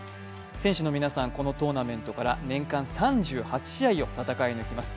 選手の皆さん、このトーナメントから年間３８試合を戦い抜きます。